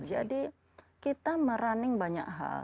jadi kita merunning banyak hal